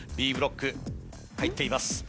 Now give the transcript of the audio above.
Ｂブロック入っています。